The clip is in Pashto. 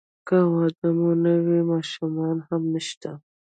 که واده مو نه وي ماشومان هم نشته.